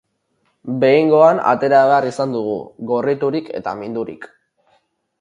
Behingoan atera behar izan dugu, gorriturik eta mindurik.